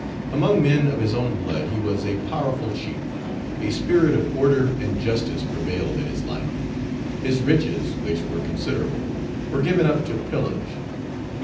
Among men of his own blood he was a powerful chief. A spirit of order and justice prevailed in his life. His riches, which were considerable, were given up to pillage.